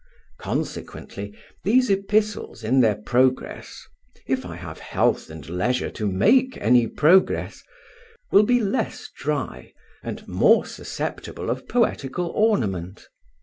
Consequently, these Epistles in their progress (if I have health and leisure to make any progress) will be less dry, and more susceptible of poetical ornament.